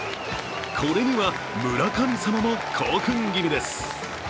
これには、村神様も興奮気味です。